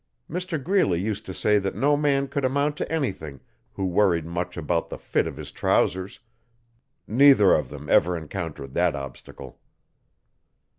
Mr Greeley used to say that no man could amount to anything who worried much about the fit of his trousers; neither of them ever encountered that obstacle.